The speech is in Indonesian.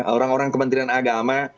orang orang kementerian agama